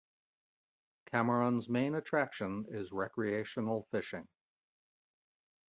Cameron's main attraction is recreational fishing.